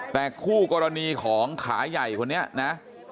แต่คู่กรณีของขาใหญ่คนนี้นะ